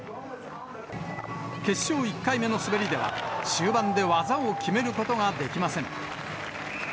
決勝１回目の滑りでは、終盤で技を決めることができません。